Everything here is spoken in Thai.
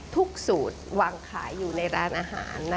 สูตรวางขายอยู่ในร้านอาหาร